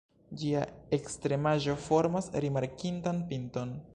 Ĝia ekstremaĵo formas rimarkindan pinton.